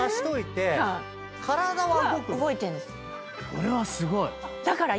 これはすごい！